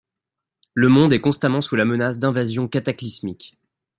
Le monde est constamment sous la menace d'invasions cataclysmiques.